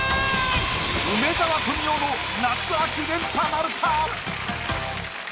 梅沢富美男の夏秋連覇なるか？